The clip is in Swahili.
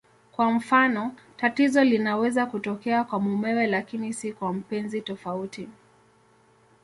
Kwa mfano, tatizo linaweza kutokea kwa mumewe lakini si kwa mpenzi tofauti.